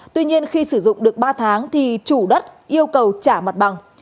tuy nhiên khi sử dụng được ba tháng thì chủ đất yêu cầu trả mặt bằng